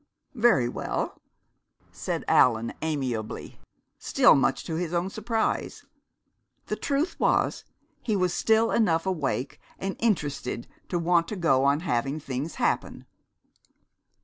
"Very well," said Allan amiably, still much to his own surprise. The truth was, he was still enough awake and interested to want to go on having things happen.